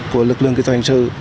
của lực lượng kỹ thuật hình sự